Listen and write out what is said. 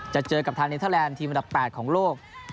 จะเจอกับทางเนเทอร์แลนดทีมอันดับ๘ของโลก